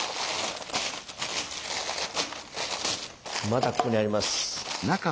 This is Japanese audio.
まだここにあります。